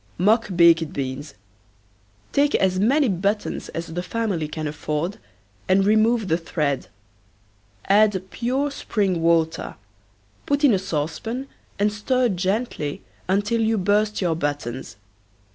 MOCK BAKED BEANS. Take as many buttons as the family can afford and remove the thread. Add pure spring water, put in a saucepan and stir gently until you burst your buttons.